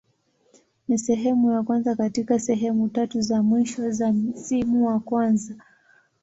Ni sehemu ya kwanza katika sehemu tatu za mwisho za msimu wa kwanza.